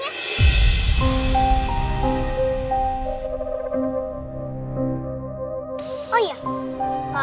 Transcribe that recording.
seneng banget tuh ny peking my cheek